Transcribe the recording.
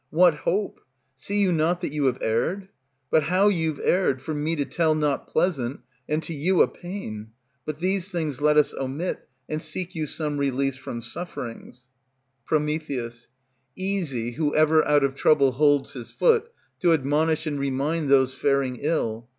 What hope? See you not that You have erred? But how you've erred, for me to tell Not pleasant, and to you a pain. But these things Let us omit, and seek you some release from sufferings. Pr. Easy, whoever out of trouble holds his Foot, to admonish and remind those faring Ill.